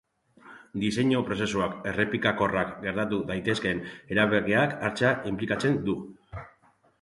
Diseinu-prozesuak errepikakorrak gertatu daitezkeen erabakiak hartzea inplikatzen du.